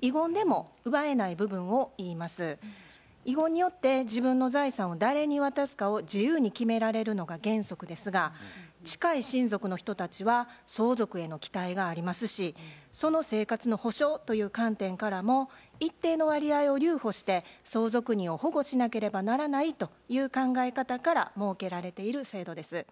遺言によって自分の財産を誰に渡すかを自由に決められるのが原則ですが近い親族の人たちは相続への期待がありますしその生活の保障という観点からも一定の割合を留保して相続人を保護しなければならないという考え方から設けられている制度です。